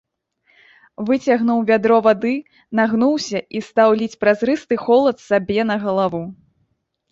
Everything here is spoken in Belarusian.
Выцягнуў вядро вады, нагнуўся і стаў ліць празрысты холад сабе на галаву.